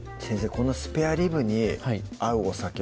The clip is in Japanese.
このスペアリブに合うお酒は？